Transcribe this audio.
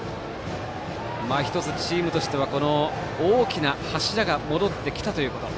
１つチームとしては大きな柱が戻ってきたということ